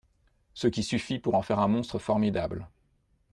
Ce qui suffit pour en faire un monstre formidable.